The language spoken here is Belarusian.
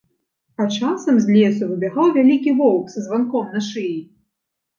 А часам з лесу выбягаў вялікі воўк са званком на шыі.